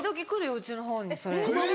うちの方にそれ。